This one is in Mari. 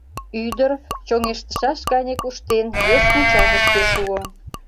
Ӱдыр, чоҥештышаш гане куштен, вес мучашышке шуо.